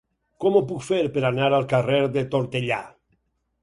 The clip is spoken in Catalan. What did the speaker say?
Com ho puc fer per anar al carrer de Tortellà?